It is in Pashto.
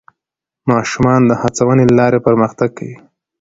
ماشومان د هڅونې له لارې پرمختګ کوي